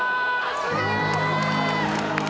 すげえ！